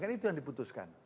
kan itu yang diputuskan